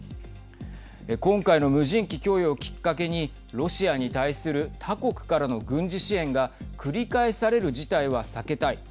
今回の無人機供与をきっかけにロシアに対する他国からの軍事支援が繰り返される事態は避けたい。